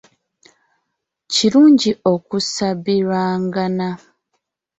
Kirungi okusabiragana